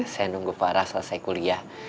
saya nunggu farah selesai kuliah